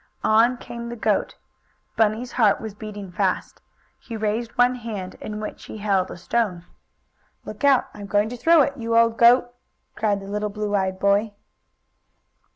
On came the goat. Bunny's heart was beating fast. He raised one hand in which he held a stone. "Look out! I'm going to throw it, you old goat!" cried the little blue eyed boy.